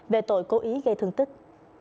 về tội cố ý gây thương tích